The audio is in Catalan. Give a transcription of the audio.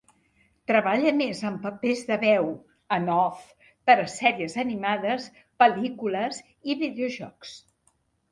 Treballa més en papers de veu en off per a sèries animades, pel·lícules i videojocs.